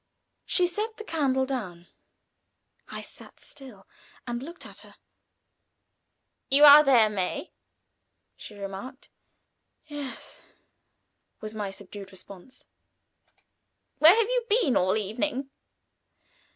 She set the candle down. I sat still and looked at her. "You are there, May," she remarked. "Yes," was my subdued response. "Where have you been all evening?"